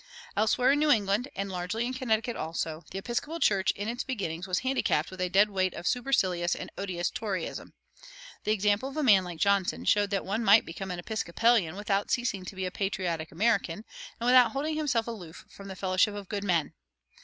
Elsewhere in New England, and largely in Connecticut also, the Episcopal Church in its beginnings was handicapped with a dead weight of supercilious and odious Toryism. The example of a man like Johnson showed that one might become an Episcopalian without ceasing to be a patriotic American and without holding himself aloof from the fellowship of good men.